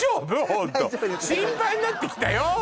ホント心配になってきたよ